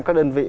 các đơn vị